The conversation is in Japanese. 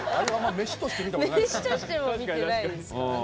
飯としては見てないですからね。